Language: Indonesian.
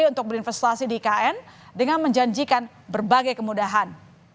untuk berinvestasi di ikn dengan menjanjikan berbagai kemudahan